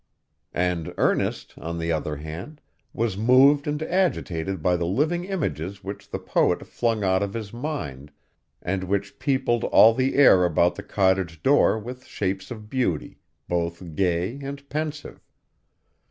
And Ernest, on the other hand, was moved and agitated by the living images which the poet flung out of his mind, and which peopled all the air about the cottage door with shapes of beauty, both gay and pensive.